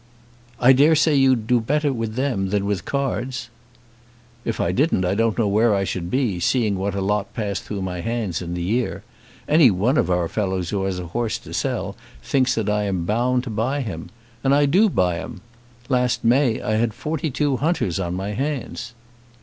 "I dare say you do better with them than with cards." "If I didn't I don't know where I should be, seeing what a lot pass through my hands in the year. Any one of our fellows who has a horse to sell thinks that I am bound to buy him. And I do buy 'em. Last May I had forty two hunters on my hands."